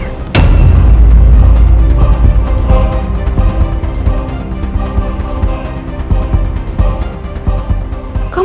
aku mau ke rumah